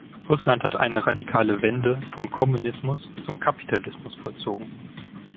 Russland hat eine radikale Wende vom Kommunismus zum Kapitalismus vollzogen.